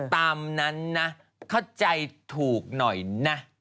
ตามนั้นนะเข้าใจถูกหน่อยนะ